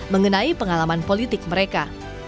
mengenai pengalaman politik mereka